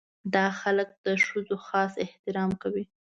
دا خلک د ښځو خاص احترام کوي.